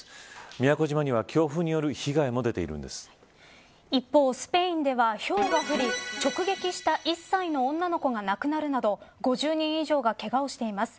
宮古島には強風による一方スペインでは、ひょうが降り直撃した１歳の女の子が亡くなるなど５０人以上がけがをしています。